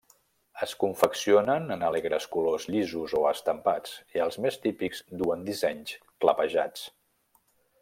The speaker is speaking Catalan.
Es confeccionen en alegres colors llisos o estampats, i els més típics duen dissenys clapejats.